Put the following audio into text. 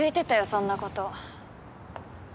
そんなこと。